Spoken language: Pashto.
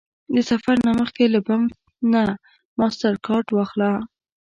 د سفر نه مخکې له بانک نه ماسټرکارډ واخله